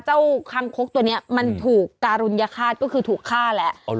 คังคกตัวนี้มันถูกการุญฆาตก็คือถูกฆ่าแล้ว